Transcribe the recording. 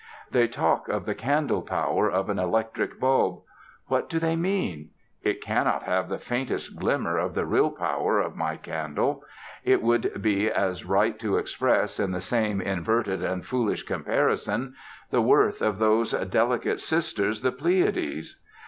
They talk of the candle power of an electric bulb. What do they mean? It cannot have the faintest glimmer of the real power of my candle. It would be as right to express, in the same inverted and foolish comparison, the worth of "those delicate sisters, the Pleiades."